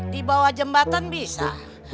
di bawah jembatan bisa